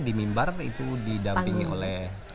di mimbar itu didampingi oleh